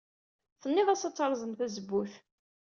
Tennid-as ad terẓem tazewwut.